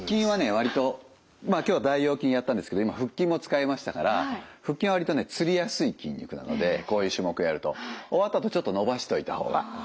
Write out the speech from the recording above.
わりとまあ今日は大腰筋やったんですけど今腹筋も使いましたから腹筋はわりとねつりやすい筋肉なのでこういう種目やると終わったあとちょっと伸ばしておいた方がいいです。